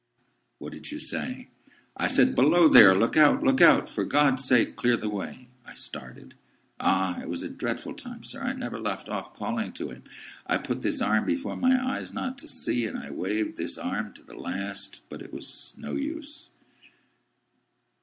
"What did you say?" "I said, 'Below there! Look out! Look out! For God's sake, clear the way!'" I started. "Ah! it was a dreadful time, sir. I never left off calling to him. I put this arm before my eyes not to see, and I waved this arm to the last; but it was no use."